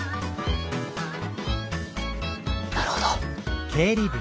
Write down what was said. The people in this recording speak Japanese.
なるほど。